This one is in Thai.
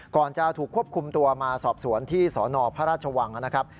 ก่อนจะถูกควบคุมตัวมาสอบสวนที่สนพระราชวังนะครับ